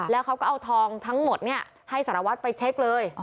แล้วเขาก็เอาทองทั้งหมดให้สารวัตรไปเช็คเลย